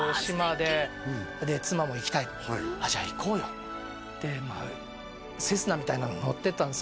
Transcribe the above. で妻も「行きたい」と「じゃ行こうよ」でセスナみたいなの乗ってったんです